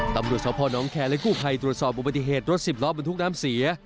ตำรวจท้อพ่อน้องแขนและคู่ไพรตรวจสอบอุบัติเหตุรถสิบรถบรรทุกน้ำเสีย